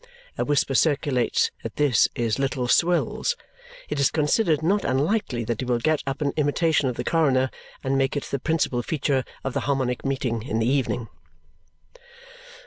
A whisper circulates that this is Little Swills. It is considered not unlikely that he will get up an imitation of the coroner and make it the principal feature of the Harmonic Meeting in the evening.